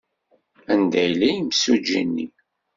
Anda yella yimsujji-nni?